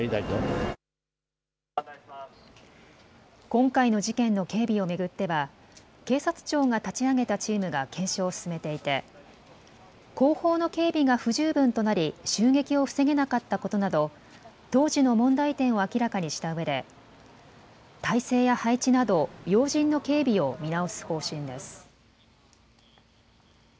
今回の事件の警備を巡っては警察庁が立ち上げたチームが検証を進めていて後方の警備が不十分となり襲撃を防げなかったことなど当時の問題点を明らかにしたうえで体制や配置など要人の警備を見直す方針です。